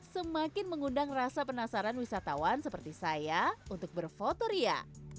semakin mengundang rasa penasaran wisatawan seperti saya untuk berfoto ria